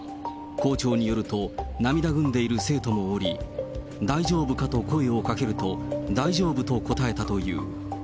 校長によると、涙ぐんでいる生徒もおり、大丈夫かと声をかけると、大丈夫と答えたという。